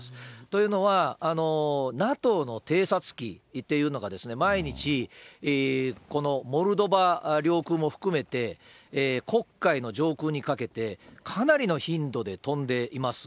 というのは、ＮＡＴＯの偵察機っていうのが、毎日、このモルドバ領空も含めて、黒海の上空にかけて、かなりの頻度で飛んでいます。